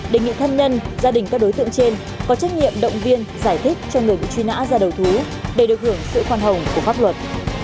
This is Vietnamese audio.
đề nghị thân nhân gia đình các đối tượng trên có trách nhiệm động viên giải thích cho người bị truy nã ra đầu thú để được hưởng sự khoan hồng của pháp luật